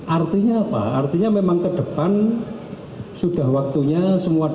artinya apa artinya memang ke depan sudah waktunya semua dapat